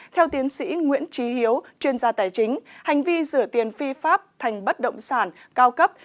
theo tiến sĩ nguyễn trí hiếu chuyên gia tài chính hành vi rửa tiền phi pháp thành bất động sản cao cấp